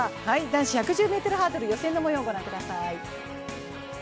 男子１１０ｍハードル予選の模様をご覧ください。